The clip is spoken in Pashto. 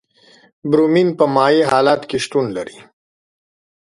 برومین په مایع حالت کې شتون لري.